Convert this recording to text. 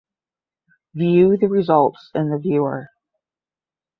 View the results in the viewer